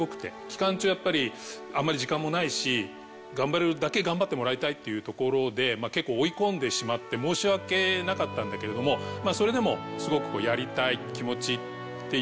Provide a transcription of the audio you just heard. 期間中やっぱりあんまり時間もないし頑張れるだけ頑張ってもらいたいっていうところで結構追い込んでしまって申し訳なかったんだけれどもそれでもすごくやりたい気持ちっていうのが強くて。